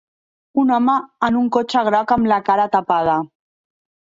Un home en un cotxe groc amb la cara tapada.